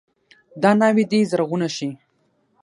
دا ناوې دې زرغونه شي.